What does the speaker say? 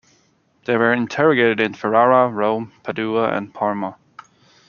They were interrogated in Ferrara, Rome, Padua and Parma.